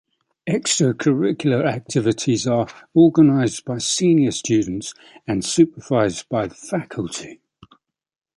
Extracurricular activities are organised by senior students and supervised by faculty.